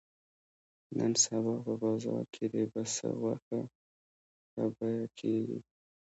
نن سبا په بازار کې د پسه غوښه ښه بیه کېږي.